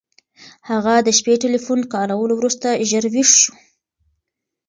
هغه د شپې ټیلیفون کارولو وروسته ژر ویښ شو.